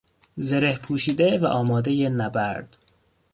زره پوشیده و آمادهی نبرد